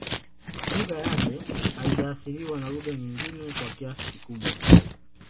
Lugha yake haijaathiriwa na lugha nyingine kwa kiasi kikubwa